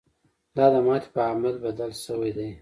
دا د ماتې په عامل بدل شوی دی.